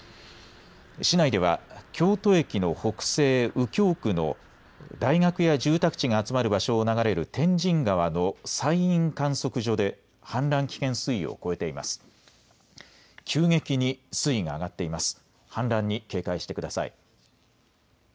市内では京都駅の北西、右京区の大学や住宅地が集まる場所を流れる天神川の西院観測所で氾濫危険水位を超えています。